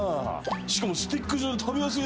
しかもスティック状で食べやすいな。